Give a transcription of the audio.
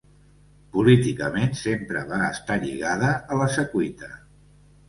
Políticament sempre va estar lligada a la Secuita.